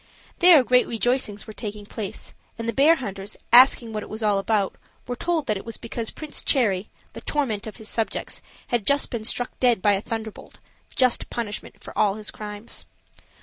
There great rejoicings were taking place, and the bear hunters, asking what it was all about, were told that it was because Prince Cherry, the torment of his subjects, had just been struck dead by a thunderbolt just punishment of all his crimes.